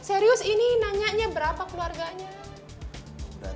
serius ini nanya berapa keluarganya